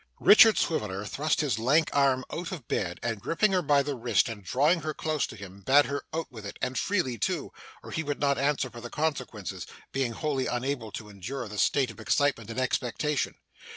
Richard Swiveller thrust his lank arm out of bed, and, gripping her by the wrist and drawing her close to him, bade her out with it, and freely too, or he would not answer for the consequences; being wholly unable to endure the state of excitement and expectation.